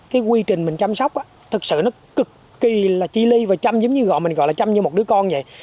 cái quy trình mình chăm sóc thật sự nó cực kỳ là chi ly và chăm giống như gọi mình gọi là chăm như một đứa con vậy